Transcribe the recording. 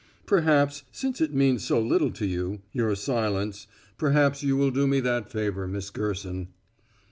"Perhaps since it means so little to you your silence perhaps you will do me that favor, Miss Gerson."